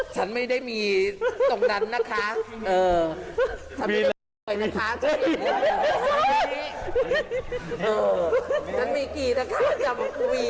ฉันไม่ได้มีตรงนั้นนะคะ